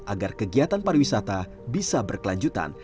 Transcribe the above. agar kegiatan pariwisata bisa berkelanjutan